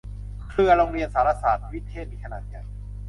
เครือโรงเรียนสารสาสน์วิเทศมีขนาดใหญ่